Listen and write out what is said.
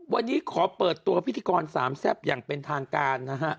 วันนี้ขอเปิดตัวพิธีกรสามแซ่บอย่างเป็นทางการนะฮะ